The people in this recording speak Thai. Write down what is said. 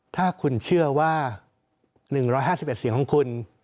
ถ้าคุณเชื่อว่า๑๕๑เสียงของคุณ